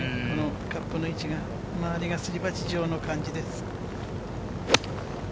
カップの位置が、周りがすり鉢状の感じです。